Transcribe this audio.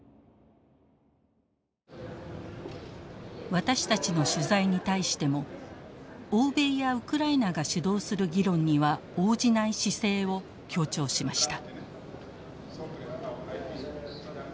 私たちの取材に対しても欧米やウクライナが主導する議論には応じない姿勢を強調しました。